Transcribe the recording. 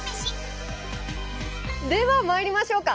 ではまいりましょうか。